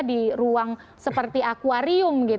di ruang seperti akwarium